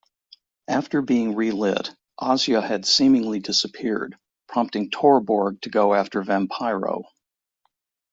After being re-lit, Asya had seemingly disappeared, prompting Torborg to go after Vampiro.